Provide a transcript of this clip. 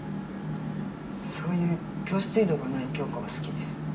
そういう教室移動がない教科は好きです。